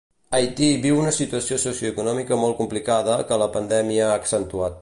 Haití viu una situació socioeconòmica molt complicada que la pandèmia ha accentuat.